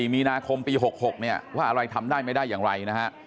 ๒๔มีนาคมปี๖๖ว่าอะไรทำได้ไม่ได้อย่างไร